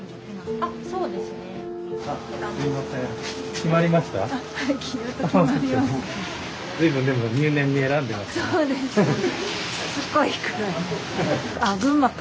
あっそうなんですね。